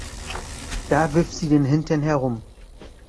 Da wirft sie den Hintern herum.